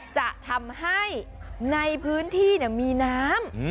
จะทำให้ในพื้นที่มีน้ำ